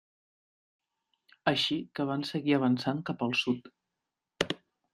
Així que van seguir avançant cap al sud.